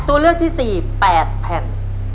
ตัวเลือดที่สี่๘แผ่น